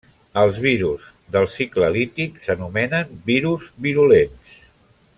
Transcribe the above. Els virus del cicle lític s'anomenen virus virulents.